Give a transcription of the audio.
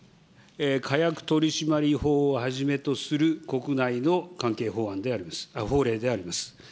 火薬取締法をはじめとする国内の関係法案で、法令であります。